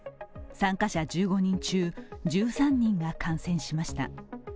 参加者１５人中１３人が感染しました。